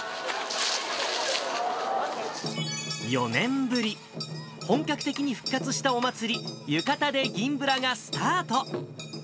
４年ぶり、本格的に復活したお祭り、ゆかたで銀ぶらがスタート。